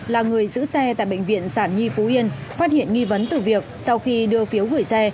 là người giữ xe tại bệnh viện sản nhi phú yên phát hiện nghi vấn từ việc sau khi đưa phiếu gửi xe